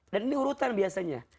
dan ini urutan biasanya